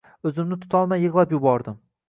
O`zimni tutolmay yig`lab yubordim